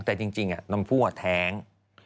แต่จริงอ่ะชมพู่ก็แท้ง